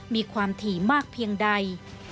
มีความถี่มากเพียงใด